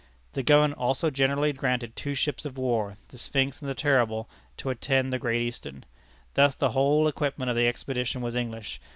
The government also generously granted two ships of war, the Sphinx and the Terrible, to attend the Great Eastern. Thus the whole equipment of the expedition was English.